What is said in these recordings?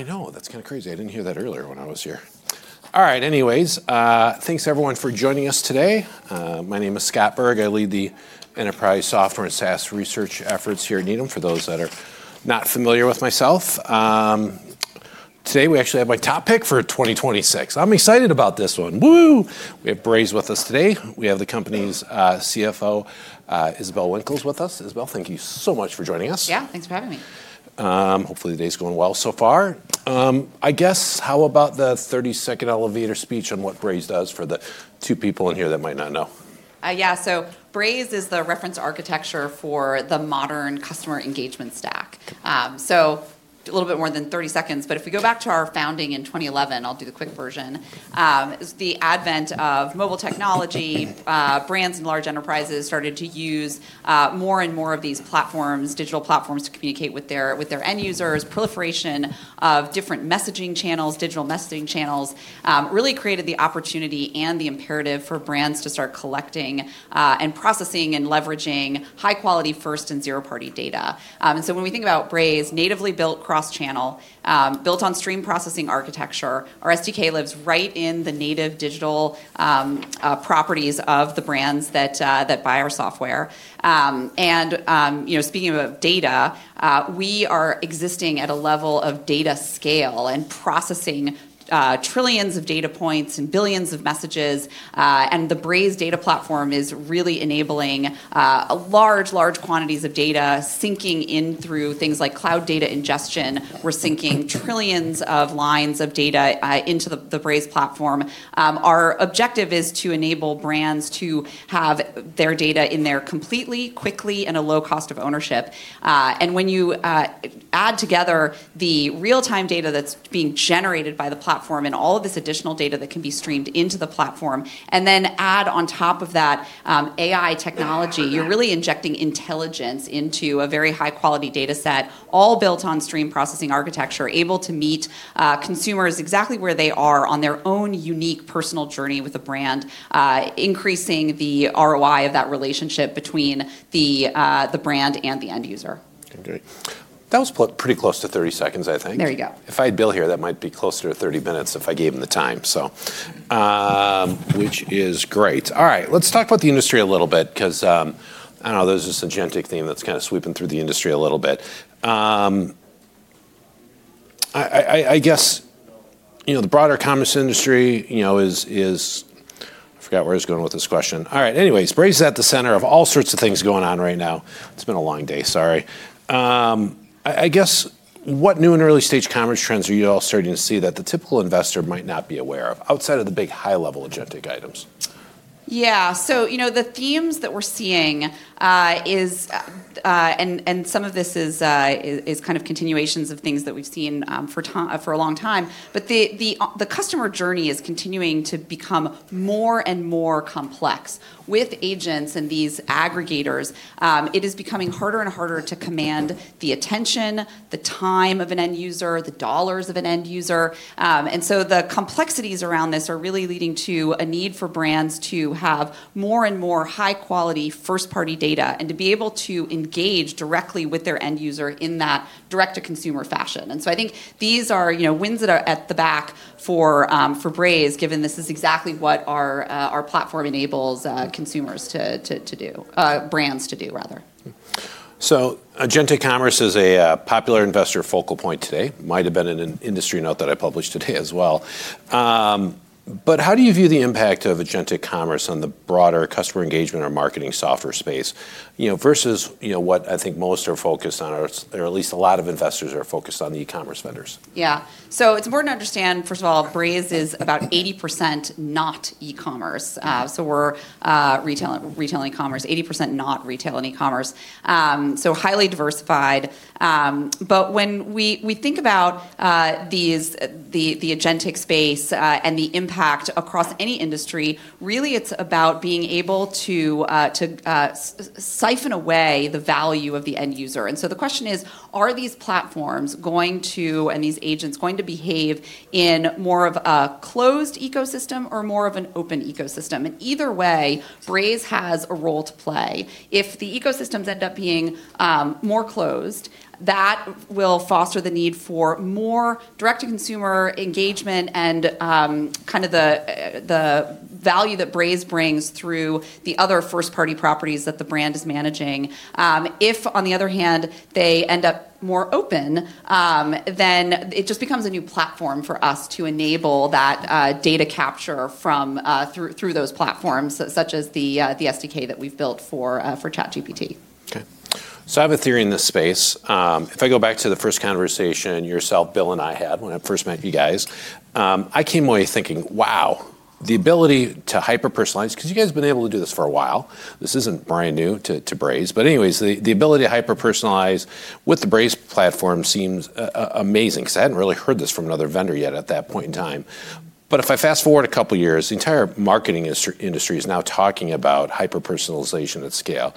I know, that's kind of crazy. I didn't hear that earlier when I was here. All right, anyways, thanks everyone for joining us today. My name is Scott Berg. I lead the enterprise software and SaaS research efforts here at Needham for those that are not familiar with myself. Today we actually have my top pick for 2026. I'm excited about this one. Woo! We have Braze with us today. We have the company's CFO, Isabelle Winkles, with us. Isabelle, thank you so much for joining us. Yeah, thanks for having me. Hopefully the day's going well so far. I guess, how about the 30-second elevator speech on what Braze does for the two people in here that might not know? Yeah, so Braze is the reference architecture for the modern customer engagement stack. So a little bit more than 30 seconds, but if we go back to our founding in 2011, I'll do the quick version. The advent of mobile technology, brands and large enterprises started to use more and more of these platforms, digital platforms, to communicate with their end users. Proliferation of different messaging channels, digital messaging channels, really created the opportunity and the imperative for brands to start collecting and processing and leveraging high-quality first-party and zero-party data. And so when we think about Braze, natively built cross-channel, built on stream processing architecture, our SDK lives right in the native digital properties of the brands that buy our software. And speaking of data, we are existing at a level of data scale and processing trillions of data points and billions of messages. And the Braze Data Platform is really enabling large, large quantities of data syncing in through things like Cloud Data Ingestion. We're syncing trillions of lines of data into the Braze platform. Our objective is to enable brands to have their data in there completely, quickly, and at a low cost of ownership. And when you add together the real-time data that's being generated by the platform and all of this additional data that can be streamed into the platform, and then add on top of that AI technology, you're really injecting intelligence into a very high-quality data set, all built on stream processing architecture, able to meet consumers exactly where they are on their own unique personal journey with a brand, increasing the ROI of that relationship between the brand and the end user. That was pretty close to 30 seconds, I think. There you go. If I had Bill here, that might be closer to 30 minutes if I gave him the time, which is great. All right, let's talk about the industry a little bit, because I don't know, there's this agentic theme that's kind of sweeping through the industry a little bit. I guess the broader commerce industry is. I forgot where I was going with this question. All right, anyways, Braze is at the center of all sorts of things going on right now. It's been a long day, sorry. I guess, what new and early-stage commerce trends are you all starting to see that the typical investor might not be aware of, outside of the big high-level agentic items? Yeah, so the themes that we're seeing, and some of this is kind of continuations of things that we've seen for a long time, but the customer journey is continuing to become more and more complex. With agents and these aggregators, it is becoming harder and harder to command the attention, the time of an end user, the dollars of an end user. And so the complexities around this are really leading to a need for brands to have more and more high-quality first-party data and to be able to engage directly with their end user in that direct-to-consumer fashion. And so I think these are wins that are at the back for Braze, given this is exactly what our platform enables consumers to do, brands to do, rather. So agentic commerce is a popular investor focal point today. Might have been an industry note that I published today as well. But how do you view the impact of agentic commerce on the broader customer engagement or marketing software space versus what I think most are focused on, or at least a lot of investors are focused on, the e-commerce vendors? Yeah, so it's important to understand, first of all, Braze is about 80% not e-commerce. So we're retail and e-commerce, 80% not retail and e-commerce. So highly diversified. But when we think about the agentic space and the impact across any industry, really it's about being able to siphon away the value of the end user. And so the question is, are these platforms going to, and these agents, going to behave in more of a closed ecosystem or more of an open ecosystem? And either way, Braze has a role to play. If the ecosystems end up being more closed, that will foster the need for more direct-to-consumer engagement and kind of the value that Braze brings through the other first-party properties that the brand is managing. If, on the other hand, they end up more open, then it just becomes a new platform for us to enable that data capture through those platforms, such as the SDK that we've built for ChatGPT. So I have a theory in this space. If I go back to the first conversation yourself, Bill, and I had when I first met you guys, I came away thinking, wow, the ability to hyper-personalize, because you guys have been able to do this for a while. This isn't brand new to Braze. But anyways, the ability to hyper-personalize with the Braze platform seems amazing, because I hadn't really heard this from another vendor yet at that point in time. But if I fast forward a couple of years, the entire marketing industry is now talking about hyper-personalization at scale.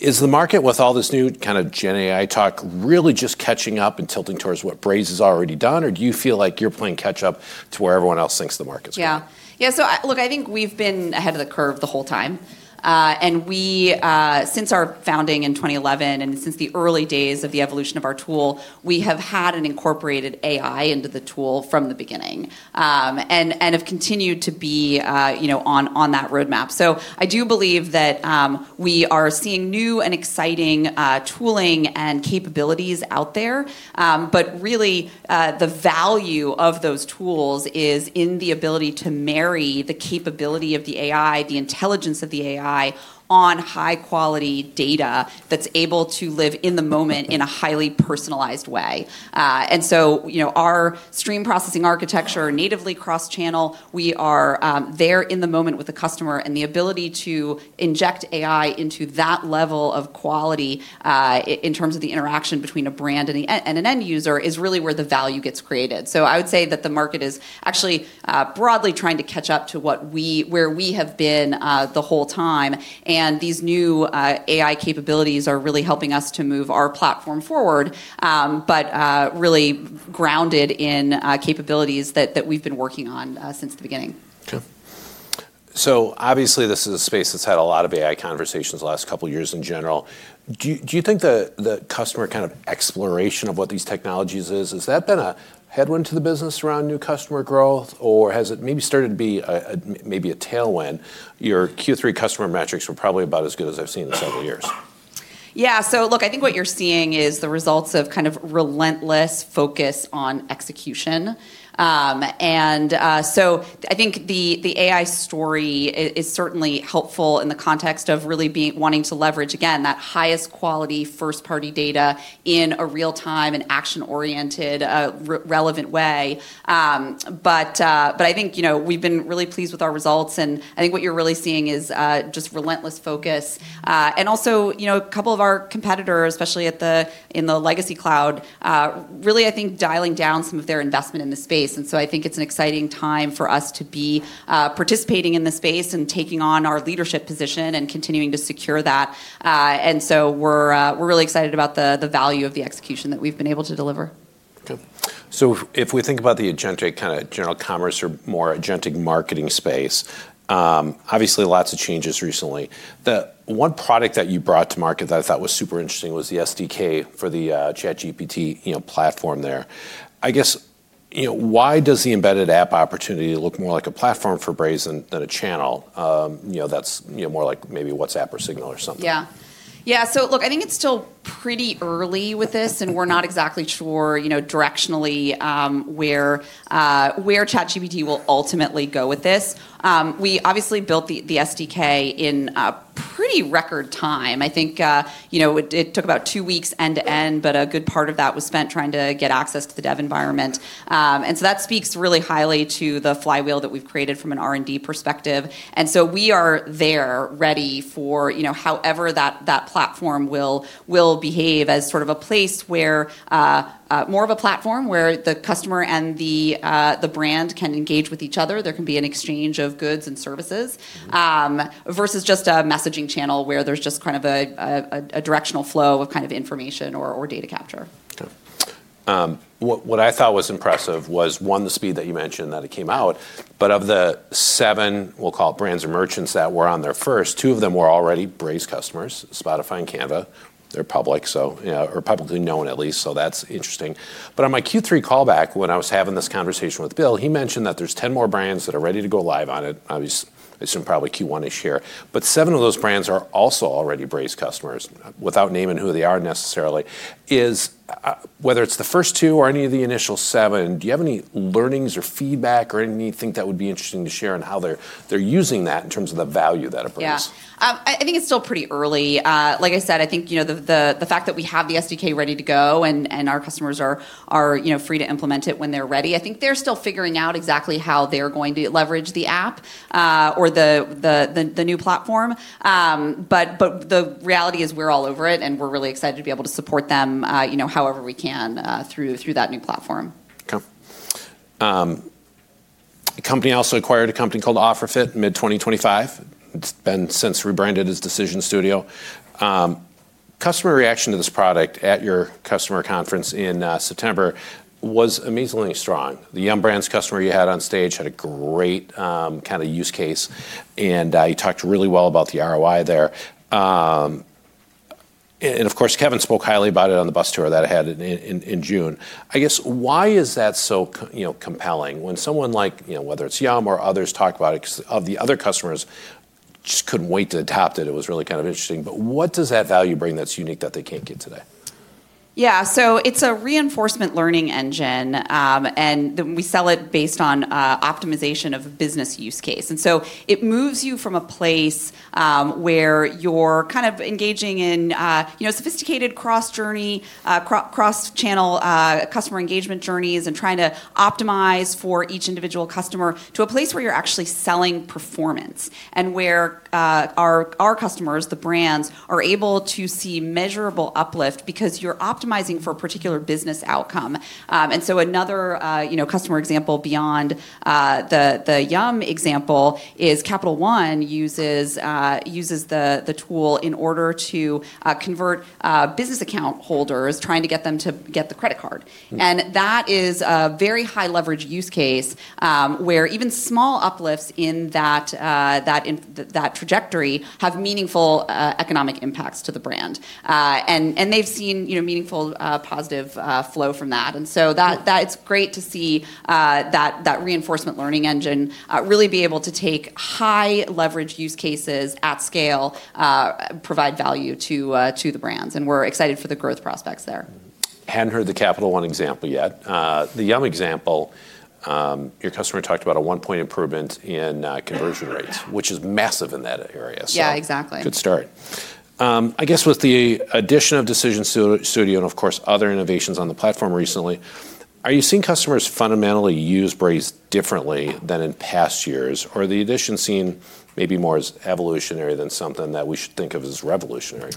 Is the market, with all this new kind of Gen AI talk, really just catching up and tilting towards what Braze has already done, or do you feel like you're playing catch-up to where everyone else thinks the market's going? Yeah, yeah, so look, I think we've been ahead of the curve the whole time. And since our founding in 2011 and since the early days of the evolution of our tool, we have had AI incorporated into the tool from the beginning and have continued to be on that roadmap. So I do believe that we are seeing new and exciting tooling and capabilities out there. But really, the value of those tools is in the ability to marry the capability of the AI, the intelligence of the AI, on high-quality data that's able to live in the moment in a highly personalized way. And so our stream processing architecture, natively cross-channel, we are there in the moment with the customer. The ability to inject AI into that level of quality in terms of the interaction between a brand and an end user is really where the value gets created. I would say that the market is actually broadly trying to catch up to where we have been the whole time. These new AI capabilities are really helping us to move our platform forward, but really grounded in capabilities that we've been working on since the beginning. So obviously, this is a space that's had a lot of AI conversations the last couple of years in general. Do you think the customer kind of exploration of what these technologies is, has that been a headwind to the business around new customer growth, or has it maybe started to be maybe a tailwind? Your Q3 customer metrics were probably about as good as I've seen in several years. Yeah, so look, I think what you're seeing is the results of kind of relentless focus on execution, and so I think the AI story is certainly helpful in the context of really wanting to leverage, again, that highest quality first-party data in a real-time and action-oriented, relevant way, but I think we've been really pleased with our results, and I think what you're really seeing is just relentless focus, and also, a couple of our competitors, especially in the legacy cloud, really, I think, dialing down some of their investment in the space, and so I think it's an exciting time for us to be participating in the space and taking on our leadership position and continuing to secure that, and so we're really excited about the value of the execution that we've been able to deliver. So if we think about the agentic kind of general commerce or more agentic marketing space, obviously, lots of changes recently. The one product that you brought to market that I thought was super interesting was the SDK for the ChatGPT platform there. I guess, why does the embedded app opportunity look more like a platform for Braze than a channel that's more like maybe WhatsApp or Signal or something? Yeah, yeah, so look, I think it's still pretty early with this, and we're not exactly sure directionally where ChatGPT will ultimately go with this. We obviously built the SDK in pretty record time. I think it took about two weeks end to end, but a good part of that was spent trying to get access to the dev environment. And so that speaks really highly to the flywheel that we've created from an R&D perspective. And so we are there ready for however that platform will behave as sort of a place where more of a platform where the customer and the brand can engage with each other. There can be an exchange of goods and services versus just a messaging channel where there's just kind of a directional flow of kind of information or data capture. What I thought was impressive was, one, the speed that you mentioned that it came out, but of the seven, we'll call it brands or merchants that were on there first, two of them were already Braze customers, Spotify and Canva. They're public, so they're publicly known at least, so that's interesting, but on my Q3 callback, when I was having this conversation with Bill, he mentioned that there's 10 more brands that are ready to go live on it. I assume probably Q1-ish here, but seven of those brands are also already Braze customers, without naming who they are necessarily. Whether it's the first two or any of the initial seven, do you have any learnings or feedback or anything that would be interesting to share on how they're using that in terms of the value that it brings? Yeah, I think it's still pretty early. Like I said, I think the fact that we have the SDK ready to go and our customers are free to implement it when they're ready, I think they're still figuring out exactly how they're going to leverage the app or the new platform. But the reality is we're all over it, and we're really excited to be able to support them however we can through that new platform. A company also acquired a company called OfferFit mid-2025. It's been since rebranded as Decision Studio. Customer reaction to this product at your customer conference in September was amazingly strong. The Yum! Brands customer you had on stage had a great kind of use case, and you talked really well about the ROI there, and of course, Kevin spoke highly about it on the bus tour that it had in June. I guess, why is that so compelling? When someone like, whether it's Yum or others talk about it, because of the other customers just couldn't wait to adopt it, it was really kind of interesting, but what does that value bring that's unique that they can't get today? Yeah, so it's a reinforcement learning engine. And we sell it based on optimization of a business use case. And so it moves you from a place where you're kind of engaging in sophisticated cross-journey, cross-channel customer engagement journeys, and trying to optimize for each individual customer to a place where you're actually selling performance and where our customers, the brands, are able to see measurable uplift because you're optimizing for a particular business outcome. And so another customer example beyond the Yum example is Capital One uses the tool in order to convert business account holders, trying to get them to get the credit card. And that is a very high-leverage use case where even small uplifts in that trajectory have meaningful economic impacts to the brand. And they've seen meaningful positive flow from that. And so it's great to see that reinforcement learning engine really be able to take high-leverage use cases at scale, provide value to the brands. And we're excited for the growth prospects there. Hadn't heard the Capital One example yet. The Yum example, your customer talked about a one-point improvement in conversion rates, which is massive in that area. Yeah, exactly. Good start. I guess with the addition of Decision Studio and, of course, other innovations on the platform recently, are you seeing customers fundamentally use Braze differently than in past years, or are the additions seen maybe more as evolutionary than something that we should think of as revolutionary?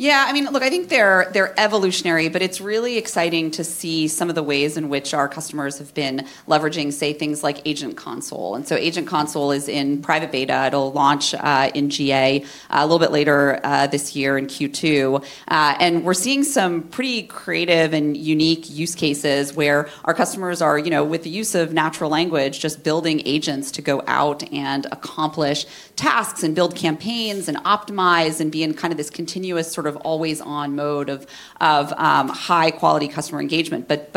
Yeah, I mean, look, I think they're evolutionary, but it's really exciting to see some of the ways in which our customers have been leveraging, say, things like Agent Console. And so Agent Console is in private beta. It'll launch in GA a little bit later this year in Q2. And we're seeing some pretty creative and unique use cases where our customers are, with the use of natural language, just building agents to go out and accomplish tasks and build campaigns and optimize and be in kind of this continuous sort of always-on mode of high-quality customer engagement, but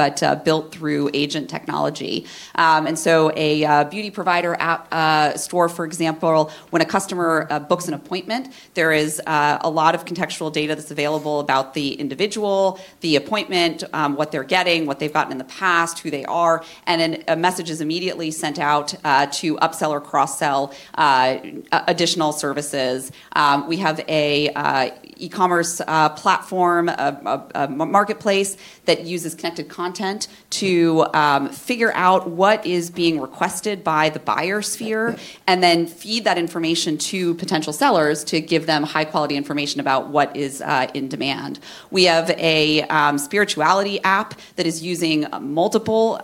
built through agent technology. And so a beauty provider app store, for example, when a customer books an appointment, there is a lot of contextual data that's available about the individual, the appointment, what they're getting, what they've gotten in the past, who they are. And then a message is immediately sent out to upsell or cross-sell additional services. We have an e-commerce platform, a marketplace that uses Connected Content to figure out what is being requested by the buyer sphere and then feed that information to potential sellers to give them high-quality information about what is in demand. We have a spirituality app that is using multiple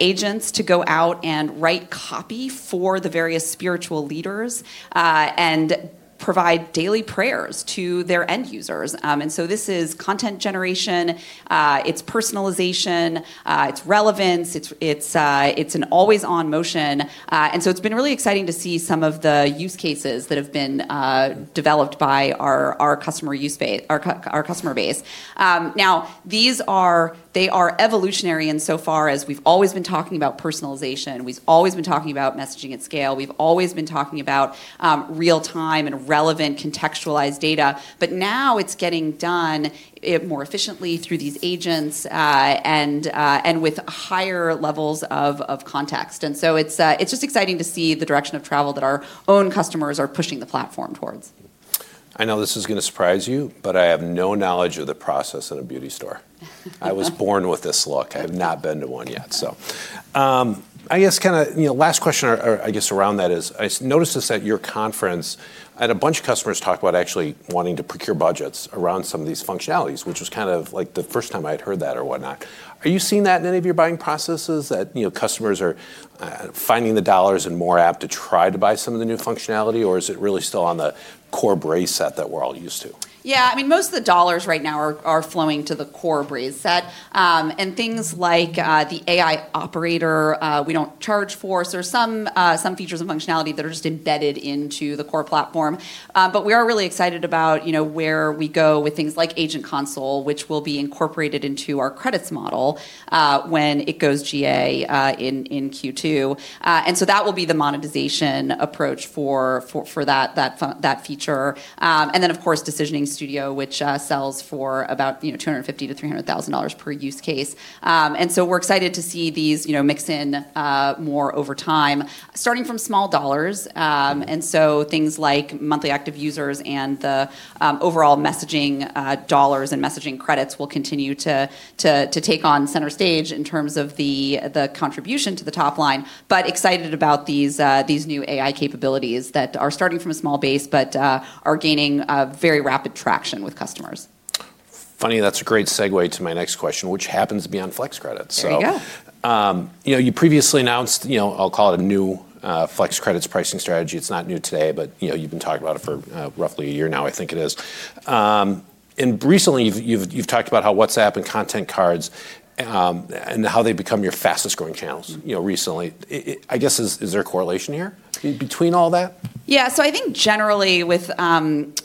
agents to go out and write copy for the various spiritual leaders and provide daily prayers to their end users. And so this is content generation. It's personalization. It's relevance. It's an always-on motion. And so it's been really exciting to see some of the use cases that have been developed by our customer base. Now, they are evolutionary in so far as we've always been talking about personalization. We've always been talking about messaging at scale. We've always been talking about real-time and relevant contextualized data. But now it's getting done more efficiently through these agents and with higher levels of context. And so it's just exciting to see the direction of travel that our own customers are pushing the platform towards. I know this is going to surprise you, but I have no knowledge of the process in a beauty store. I was born with this look. I have not been to one yet. So I guess kind of last question, I guess, around that is I noticed this at your conference. I had a bunch of customers talk about actually wanting to procure budgets around some of these functionalities, which was kind of like the first time I had heard that or whatnot. Are you seeing that in any of your buying processes, that customers are finding the dollars in more apps to try to buy some of the new functionality, or is it really still on the core Braze set that we're all used to? Yeah, I mean, most of the dollars right now are flowing to the core Braze set. And things like the AI Operator, we don't charge for. So there's some features and functionality that are just embedded into the core platform. But we are really excited about where we go with things like Agent Console, which will be incorporated into our credits model when it goes GA in Q2. And so that will be the monetization approach for that feature. And then, of course, Decision Studio, which sells for about $250,000-$300,000 per use case. And so we're excited to see these mix in more over time, starting from small dollars. And so things like monthly active users and the overall messaging dollars and messaging credits will continue to take on center stage in terms of the contribution to the top line. But excited about these new AI capabilities that are starting from a small base but are gaining very rapid traction with customers. Funny, that's a great segue to my next question, which happens to be on Flex Credits. There you go. You previously announced, I'll call it a new Flex Credits pricing strategy. It's not new today, but you've been talking about it for roughly a year now, I think it is, and recently, you've talked about how WhatsApp and Content Cards and how they've become your fastest-growing channels recently. I guess, is there a correlation here between all that? Yeah, so I think generally with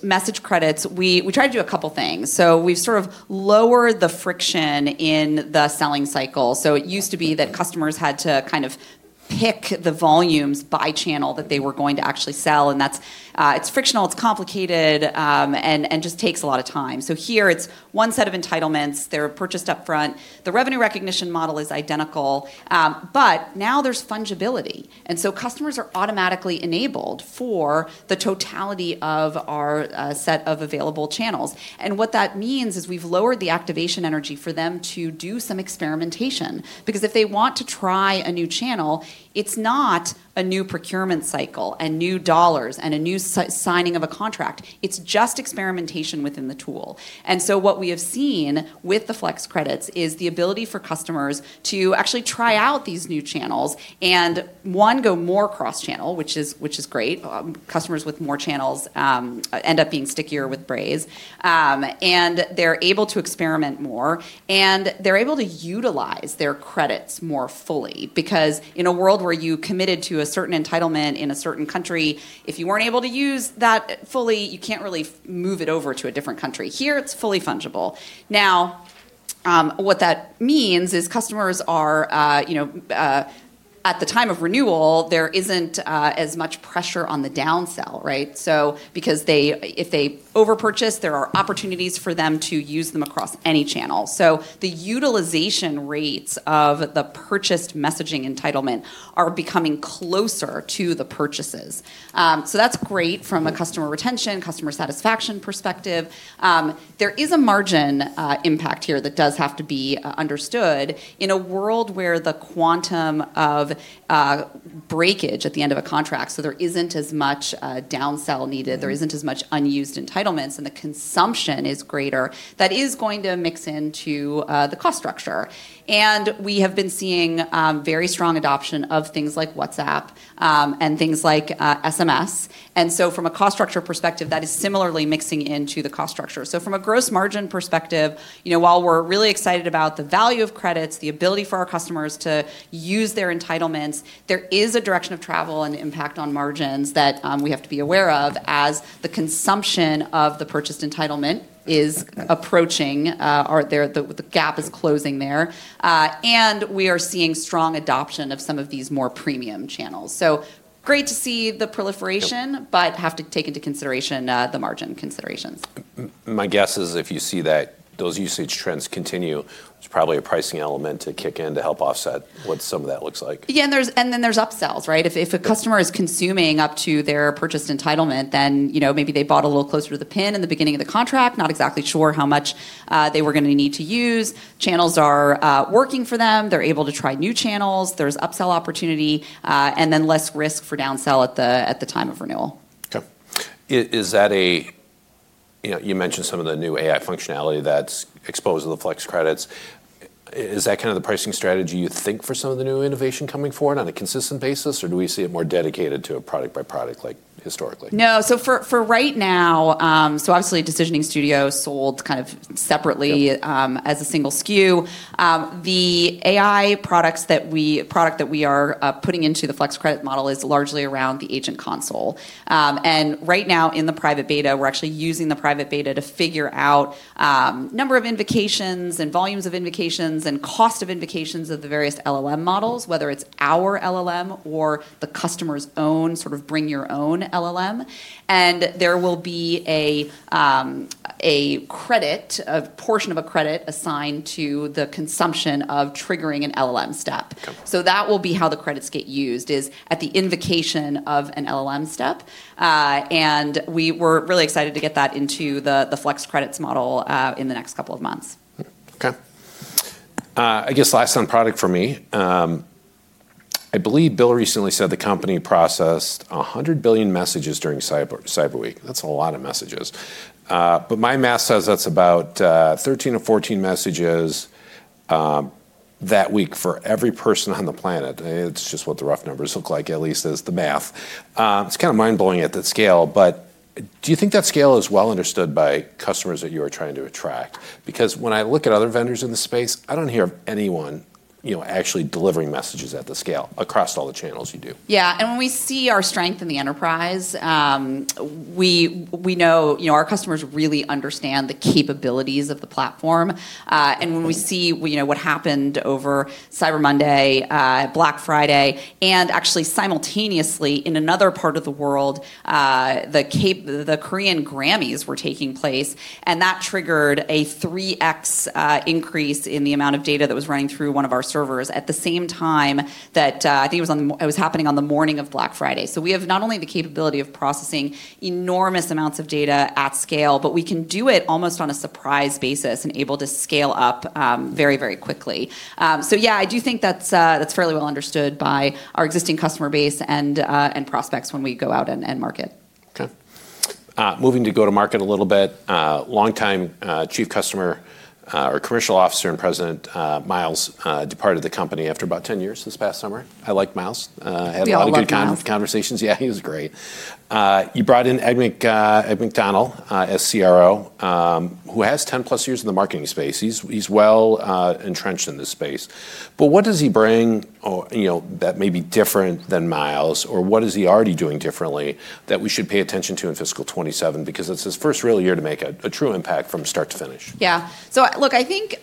Message Credits, we try to do a couple of things. So we've sort of lowered the friction in the selling cycle. So it used to be that customers had to kind of pick the volumes by channel that they were going to actually send. And it's frictional. It's complicated and just takes a lot of time. So here, it's one set of entitlements. They're purchased upfront. The revenue recognition model is identical. But now there's fungibility. And so customers are automatically enabled for the totality of our set of available channels. And what that means is we've lowered the activation energy for them to do some experimentation. Because if they want to try a new channel, it's not a new procurement cycle and new dollars and a new signing of a contract. It's just experimentation within the tool. What we have seen with the Flex Credits is the ability for customers to actually try out these new channels and, one, go more cross-channel, which is great. Customers with more channels end up being stickier with Braze. And they're able to experiment more. And they're able to utilize their credits more fully. Because in a world where you committed to a certain entitlement in a certain country, if you weren't able to use that fully, you can't really move it over to a different country. Here, it's fully fungible. Now, what that means is customers are, at the time of renewal, there isn't as much pressure on the downsell, right? So because if they overpurchase, there are opportunities for them to use them across any channel. So the utilization rates of the purchased messaging entitlement are becoming closer to the purchases. So that's great from a customer retention, customer satisfaction perspective. There is a margin impact here that does have to be understood. In a world where the quantum of breakage at the end of a contract, so there isn't as much downsell needed, there isn't as much unused entitlements, and the consumption is greater, that is going to mix into the cost structure. And we have been seeing very strong adoption of things like WhatsApp and things like SMS. And so from a cost structure perspective, that is similarly mixing into the cost structure. So from a gross margin perspective, while we're really excited about the value of credits, the ability for our customers to use their entitlements, there is a direction of travel and impact on margins that we have to be aware of as the consumption of the purchased entitlement is approaching. The gap is closing there. We are seeing strong adoption of some of these more premium channels. Great to see the proliferation, but have to take into consideration the margin considerations. My guess is if you see that those usage trends continue, it's probably a pricing element to kick in to help offset what some of that looks like. Yeah, and then there's upsells, right? If a customer is consuming up to their purchased entitlement, then maybe they bought a little closer to the pin in the beginning of the contract, not exactly sure how much they were going to need to use. Channels are working for them. They're able to try new channels. There's upsell opportunity and then less risk for downsell at the time of renewal. Okay. You mentioned some of the new AI functionality that's exposed to the Flex Credits. Is that kind of the pricing strategy you think for some of the new innovation coming forward on a consistent basis, or do we see it more dedicated to a product-by-product like historically? No. So for right now, so obviously, Decision Studio sold kind of separately as a single SKU. The AI product that we are putting into the Flex Credits model is largely around the Agent Console. And right now, in the private beta, we're actually using the private beta to figure out number of invocations and volumes of invocations and cost of invocations of the various LLM models, whether it's our LLM or the customer's own sort of bring your own LLM. And there will be a portion of a credit assigned to the consumption of triggering an LLM step. So that will be how the credits get used is at the invocation of an LLM step. And we're really excited to get that into the Flex Credits model in the next couple of months. Okay. I guess last on product for me. I believe Bill recently said the company processed 100 billion messages during Cyber Week. That's a lot of messages. But my math says that's about 13 or 14 messages that week for every person on the planet. It's just what the rough numbers look like, at least as the math. It's kind of mind-blowing at that scale. But do you think that scale is well understood by customers that you are trying to attract? Because when I look at other vendors in the space, I don't hear of anyone actually delivering messages at the scale across all the channels you do. Yeah. And when we see our strength in the enterprise, we know our customers really understand the capabilities of the platform. And when we see what happened over Cyber Monday, Black Friday, and actually simultaneously in another part of the world, the Korean Grammys were taking place. And that triggered a 3x increase in the amount of data that was running through one of our servers at the same time that I think it was happening on the morning of Black Friday. So we have not only the capability of processing enormous amounts of data at scale, but we can do it almost on a surprise basis and able to scale up very, very quickly. So yeah, I do think that's fairly well understood by our existing customer base and prospects when we go out and market. Okay. Moving to go-to-market a little bit. Longtime Chief Customer or Commercial Officer and President, Myles, departed the company after about 10 years this past summer. I like Myles. Beyond Myles. Had a lot of good conversations. Yeah, he was great. You brought in Ed McDonnell as CRO, who has 10-plus years in the marketing space. He's well entrenched in this space. But what does he bring that may be different than Myles, or what is he already doing differently that we should pay attention to in fiscal 2027? Because it's his first real year to make a true impact from start to finish. Yeah. So look, I think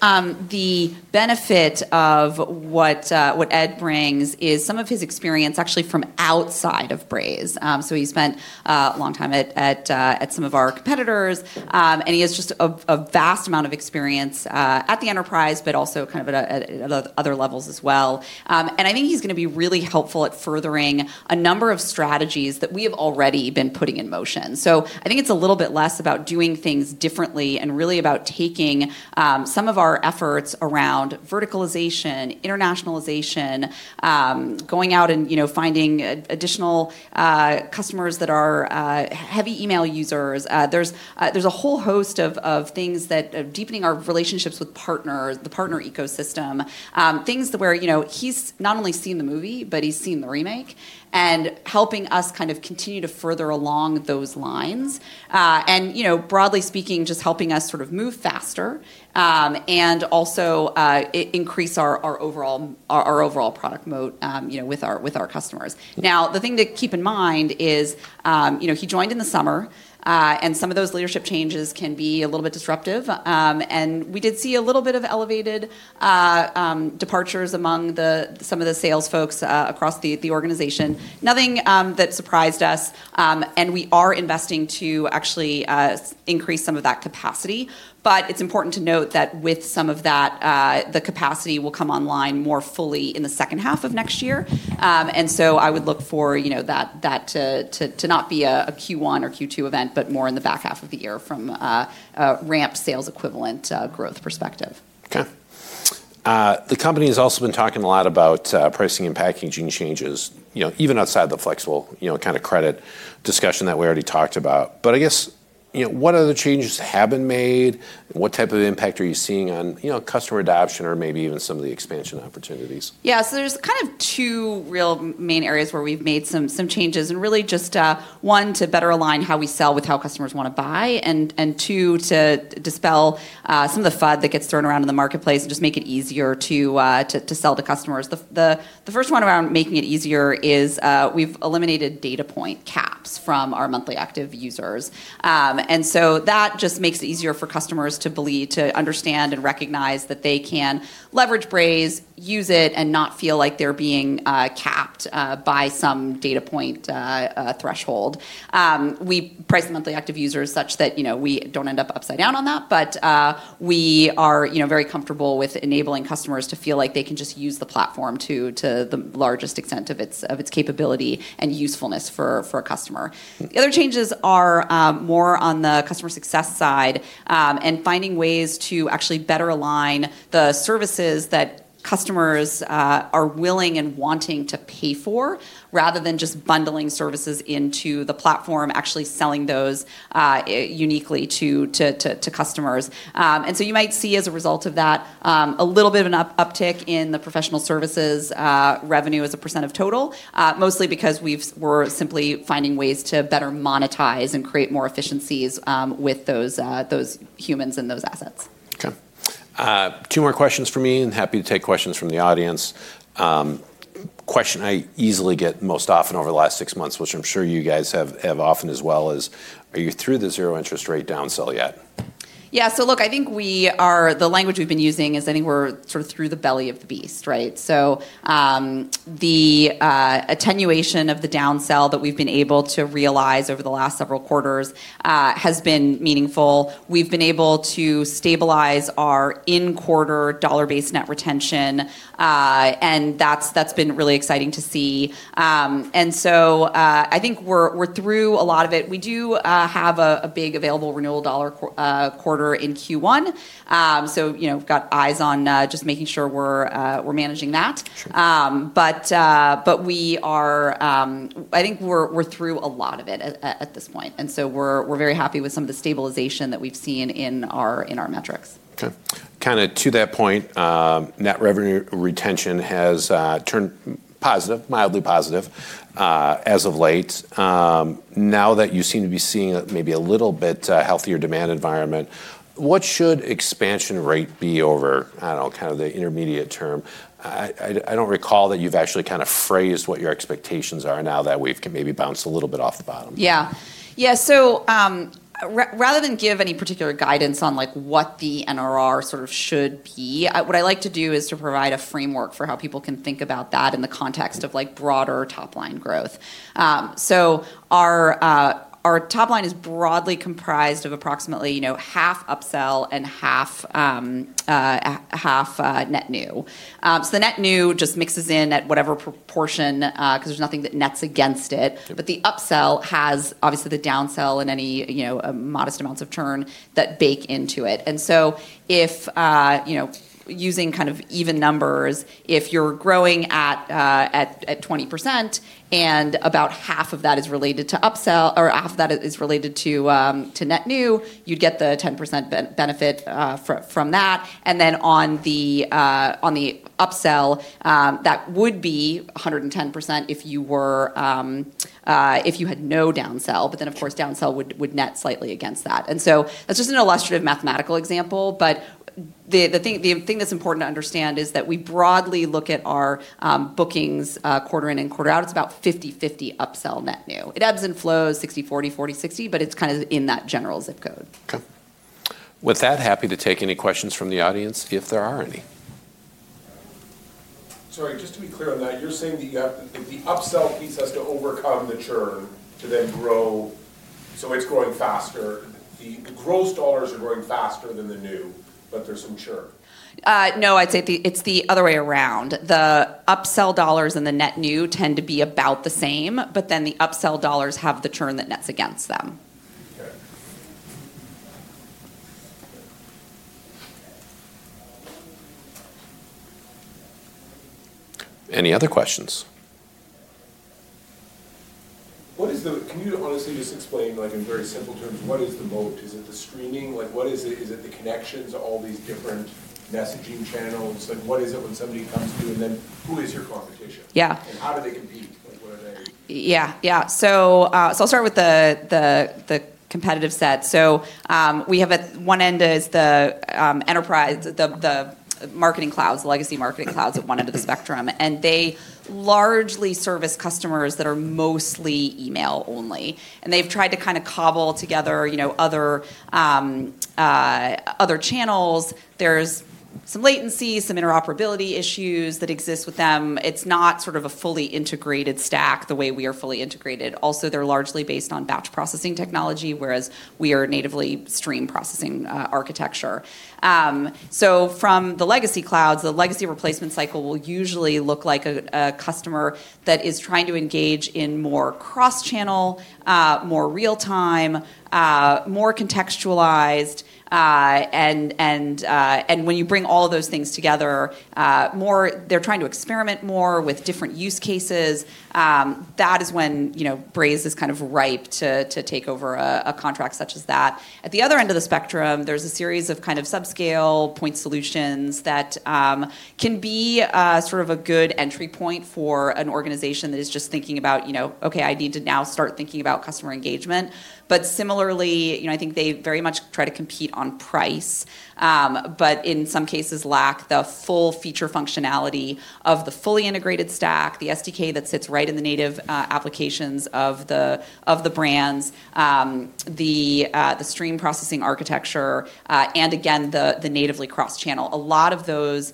the benefit of what Ed brings is some of his experience actually from outside of Braze. So he spent a long time at some of our competitors. And he has just a vast amount of experience at the enterprise, but also kind of at other levels as well. And I think he's going to be really helpful at furthering a number of strategies that we have already been putting in motion. So I think it's a little bit less about doing things differently and really about taking some of our efforts around verticalization, internationalization, going out and finding additional customers that are heavy email users. There's a whole host of things that are deepening our relationships with the partner ecosystem. Things where he's not only seen the movie, but he's seen the remake and helping us kind of continue to further along those lines. And broadly speaking, just helping us sort of move faster and also increase our overall product moat with our customers. Now, the thing to keep in mind is he joined in the summer, and some of those leadership changes can be a little bit disruptive. And we did see a little bit of elevated departures among some of the sales folks across the organization. Nothing that surprised us. And we are investing to actually increase some of that capacity. But it's important to note that with some of that, the capacity will come online more fully in the second half of next year. And so I would look for that to not be a Q1 or Q2 event, but more in the back half of the year from a ramped sales equivalent growth perspective. Okay. The company has also been talking a lot about pricing and packaging changes, even outside the flexible kind of credit discussion that we already talked about. But I guess, what other changes have been made? What type of impact are you seeing on customer adoption or maybe even some of the expansion opportunities? Yeah. So there's kind of two real main areas where we've made some changes. And really just one, to better align how we sell with how customers want to buy, and two, to dispel some of the FUD that gets thrown around in the marketplace and just make it easier to sell to customers. The first one around making it easier is we've eliminated data point caps from our monthly active users. And so that just makes it easier for customers to understand and recognize that they can leverage Braze, use it, and not feel like they're being capped by some data point threshold. We price monthly active users such that we don't end up upside down on that. But we are very comfortable with enabling customers to feel like they can just use the platform to the largest extent of its capability and usefulness for a customer. The other changes are more on the customer success side and finding ways to actually better align the services that customers are willing and wanting to pay for rather than just bundling services into the platform, actually selling those uniquely to customers, and so you might see as a result of that a little bit of an uptick in the professional services revenue as a percent of total, mostly because we're simply finding ways to better monetize and create more efficiencies with those humans and those assets. Okay. Two more questions for me, and I'm happy to take questions from the audience. The question I easily get most often over the last six months, which I'm sure you guys hear often as well, is, "Are you through the zero-interest-rate downside yet? Yeah. So look, I think the language we've been using is I think we're sort of through the belly of the beast, right? So the attenuation of the downsell that we've been able to realize over the last several quarters has been meaningful. We've been able to stabilize our in-quarter dollar-based net retention. And that's been really exciting to see. And so I think we're through a lot of it. We do have a big available renewal dollar quarter in Q1. So we've got eyes on just making sure we're managing that. But I think we're through a lot of it at this point. And so we're very happy with some of the stabilization that we've seen in our metrics. Okay. Kind of to that point, Net Revenue Retention has turned positive, mildly positive as of late. Now that you seem to be seeing maybe a little bit healthier demand environment, what should expansion rate be over, I don't know, kind of the intermediate term? I don't recall that you've actually kind of phrased what your expectations are now that we've maybe bounced a little bit off the bottom. Yeah. Yeah. So rather than give any particular guidance on what the NRR sort of should be, what I like to do is to provide a framework for how people can think about that in the context of broader top-line growth. So our top line is broadly comprised of approximately half upsell and half net new. So the net new just mixes in at whatever proportion because there's nothing that nets against it. But the upsell has obviously the downsell and any modest amounts of churn that bake into it. And so using kind of even numbers, if you're growing at 20% and about half of that is related to upsell or half of that is related to net new, you'd get the 10% benefit from that. And then on the upsell, that would be 110% if you had no downsell. But then, of course, downsell would net slightly against that. And so that's just an illustrative mathematical example. But the thing that's important to understand is that we broadly look at our bookings quarter in and quarter out. It's about 50/50 upsell net new. It ebbs and flows 60/40, 40/60, but it's kind of in that general zip code. Okay. With that, happy to take any questions from the audience if there are any. Sorry. Just to be clear on that, you're saying that the upsell piece has to overcome the churn to then grow so it's growing faster. The gross dollars are growing faster than the new, but there's some churn. No, I'd say it's the other way around. The upsell dollars and the net new tend to be about the same, but then the upsell dollars have the churn that nets against them. Okay. Any other questions? Can you honestly just explain in very simple terms what is the moat? Is it the screening? What is it? Is it the connections to all these different messaging channels? What is it when somebody comes to you? And then who is your competition? Yeah. How do they compete? What are they? Yeah. Yeah, so I'll start with the competitive set. So we have, at one end, the marketing clouds, the legacy marketing clouds, at one end of the spectrum. And they largely service customers that are mostly email only. And they've tried to kind of cobble together other channels. There's some latency, some interoperability issues that exist with them. It's not sort of a fully integrated stack the way we are fully integrated. Also, they're largely based on batch processing technology, whereas we are natively stream processing architecture. So from the legacy clouds, the legacy replacement cycle will usually look like a customer that is trying to engage in more cross-channel, more real-time, more contextualized. And when you bring all of those things together, they're trying to experiment more with different use cases. That is when Braze is kind of ripe to take over a contract such as that. At the other end of the spectrum, there's a series of kind of subscale point solutions that can be sort of a good entry point for an organization that is just thinking about, "Okay, I need to now start thinking about customer engagement." But similarly, I think they very much try to compete on price, but in some cases lack the full feature functionality of the fully integrated stack, the SDK that sits right in the native applications of the brands, the stream processing architecture, and again, the natively cross-channel. A lot of those,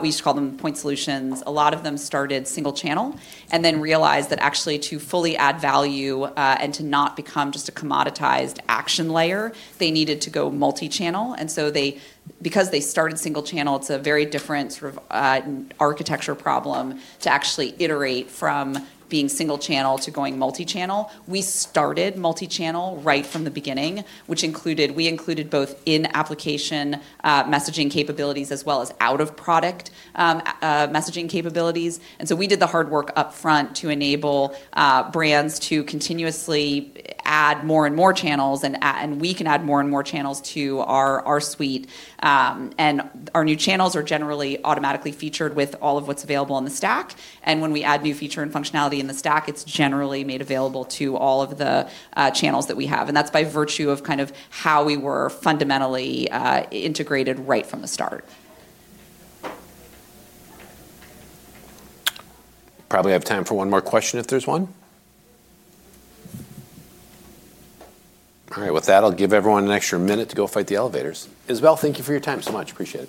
we used to call them point solutions, a lot of them started single-channel and then realized that actually to fully add value and to not become just a commoditized action layer, they needed to go multi-channel. And so because they started single-channel, it's a very different sort of architecture problem to actually iterate from being single-channel to going multi-channel. We started multi-channel right from the beginning, which included both in-application messaging capabilities as well as out-of-product messaging capabilities. And so we did the hard work upfront to enable brands to continuously add more and more channels, and we can add more and more channels to our suite. And our new channels are generally automatically featured with all of what's available in the stack. And when we add new feature and functionality in the stack, it's generally made available to all of the channels that we have. And that's by virtue of kind of how we were fundamentally integrated right from the start. Probably have time for one more question if there's one. All right. With that, I'll give everyone an extra minute to go fight the elevators. Isabelle, thank you for your time so much. Appreciate it.